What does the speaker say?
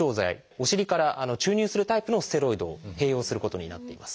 お尻から注入するタイプのステロイドを併用することになっています。